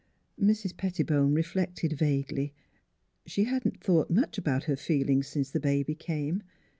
" Mrs. Pettibone reflected vaguely. She had not thought much about her feelings since the baby came.